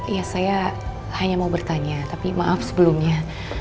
ya saya hanya mau bertanya tapi maaf sebelumnya